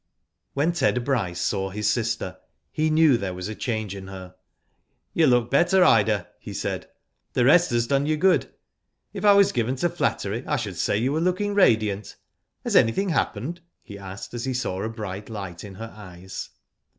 When Ted Bryce saw his sister, he knew there was a change in her. " You look better, Ida,'* he said, " the rest has done you good. If I was given to flattery, I should say you were looking radiant. Has any thing happened ?'* he asked, as he saw a bright lio^ht in her eves.